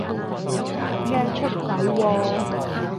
咩出軌喎？